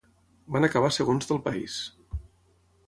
Van acabar segons del país.